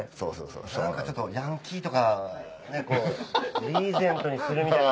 何かちょっとヤンキーとかリーゼントにするみたいな。